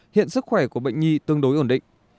hiện sức khỏe của bệnh nhi tương đối ổn định